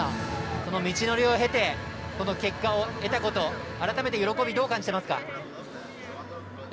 その道のりを経てこの結果を得たこと改めて、喜びどう感じていますか？